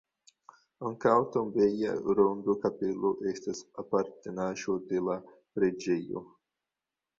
Ankaŭ tombeja ronda kapelo estas apartenaĵo de la preĝejo.